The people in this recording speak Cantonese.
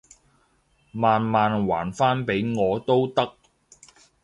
慢慢還返畀我都得